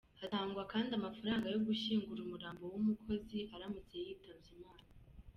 Hatangwa kandi amafaranga yo gushyingura umurambo w’umukozi aramutse yitabye Imana.